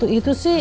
untuk si anak